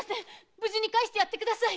無事に帰してやってください！